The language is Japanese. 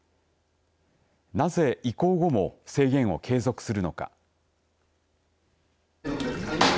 なぜ移行後も制限を継続するのか。